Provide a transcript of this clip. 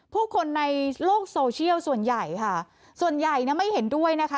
ผู้คนในโลกโซเชียลส่วนใหญ่ค่ะส่วนใหญ่นะไม่เห็นด้วยนะคะ